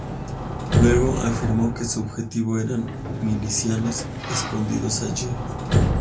Luego afirmó que su objetivo eran milicianos escondidos allí.